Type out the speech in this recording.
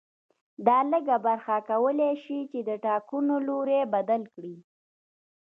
دا لږه برخه کولای شي چې د ټاکنو لوری بدل کړي